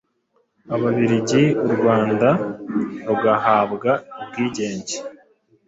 ababiligi, urwanda rugahabwa ubwigenge.